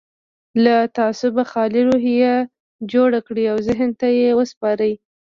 له تعصبه خالي روحيه جوړه کړئ او ذهن ته يې وسپارئ.